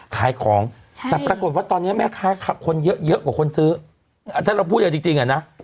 ขายของใช่แต่ปรากฏว่าตอนนี้แม่ค้าขับคนเยอะเยอะกว่าคนซื้อถ้าเราพูดอย่างจริงจริงอ่ะนะ